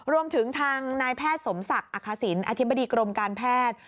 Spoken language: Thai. รวมถึงทางนายแพทย์สมศักดิ์อคสินอธิบดีกรมการแพทย์